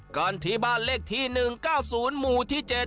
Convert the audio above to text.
ก่อนที่บ้านเลขที่๑๙๐หมู่ที่๗